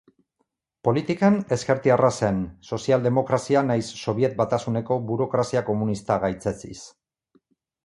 Politikan, ezkertiarra zen, sozialdemokrazia nahiz Sobiet Batasuneko burokrazia komunista gaitzetsiz.